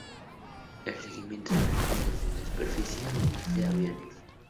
El seguimiento se realiza desde la superficie o desde aviones.